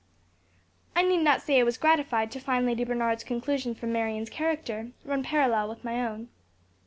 I need not say I was gratified to find Lady Bernard's conclusion from Marion's character run parallel with my own.